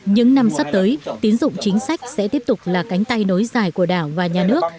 những năm sắp tới tín dụng chính sách sẽ tiếp tục là cánh tay nối dài của đảng và nhà nước